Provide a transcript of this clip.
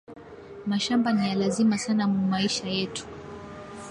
Mashamba ni ya lazima sana mu maisha yetu